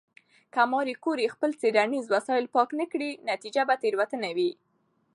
که ماري کوري خپل څېړنیز وسایل پاک نه کړي، نتیجه به تېروتنه وي.